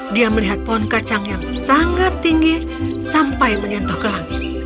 dia melihat pohon kacang yang sangat tinggi sampai menyentuh ke langit